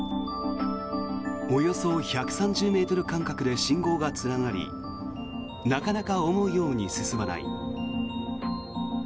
およそ１３０ｍ間隔で信号が連なりなかなか思うように進まない。